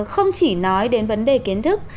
không chỉ nói đến vấn đề kiến thức